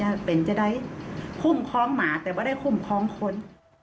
ว่าแย่ละจะเป็นจะได้คลุมคลองหมาจะได้คลุมคลองคน